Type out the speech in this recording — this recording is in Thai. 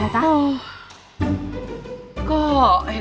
ไป